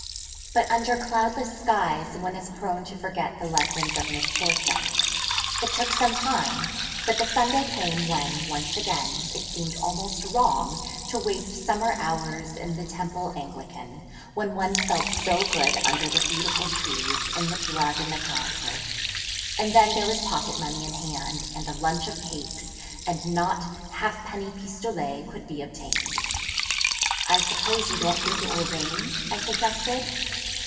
But under cloudless skies one is prone to forget the lessons of misfortune. It took some time but the Sunday came when, once again, it seemed 'almost wrong' to waste summer hours in the Temple Anglican, when one felt so good under the beautiful trees in the Bois de la Cambre. And then there was pocket money in hand, and a lunch of cakes, and not halfpenny pistolets, could be obtained. 'I suppose you don't think it will rain?' I suggested.